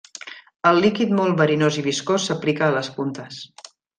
El líquid molt verinós i viscós s'aplica a les puntes.